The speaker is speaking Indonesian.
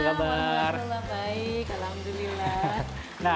waalaikumsalam baik alhamdulillah